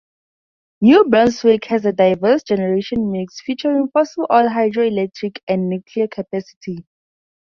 New Brunswick has a diversified generation mix, featuring fossil fuel, hydroelectric and nuclear capacity.